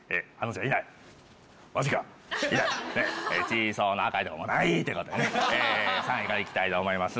チーソーの赤でもないということでね３位からいきたいと思います。